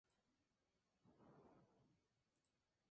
Hasta que un día la relación es violentamente interrumpida.